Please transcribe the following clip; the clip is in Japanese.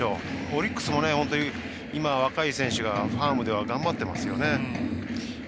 オリックスも本当に若い選手がファームでは頑張っていますよね。